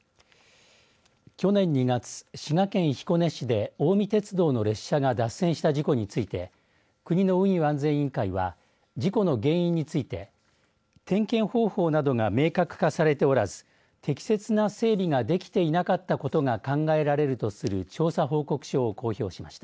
去年２月、滋賀県彦根市で近江鉄道の列車が脱線した事故について国の運輸安全委員会は事故の原因について点検方法などが明確化されておらず適切な整備ができていなかったことが考えられるとする調査報告書を公表しました。